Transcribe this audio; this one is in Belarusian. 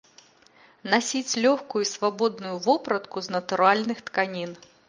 Насіць лёгкую і свабодную вопратку з натуральных тканін.